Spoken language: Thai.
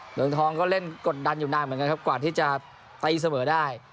เมืองทองก็เล่นกดดันอยู่นานเหมือนกันครับกว่าที่จะตีเสมอได้